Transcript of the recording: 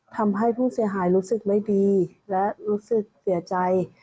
ทำให้ผู้เสียหายรู้สึกไม่ดีและรู้สึกเสียใจ